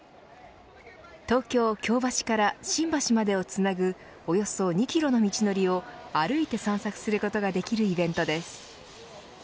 東京、京橋から新橋までをつなぐおよそ２キロの道のりを歩いて散策することができるイベントです。